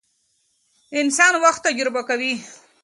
انسان وخت تجربه کوي.